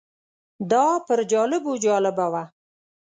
دا پر جالبو جالبه وه.